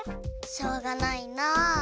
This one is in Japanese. しょうがないな。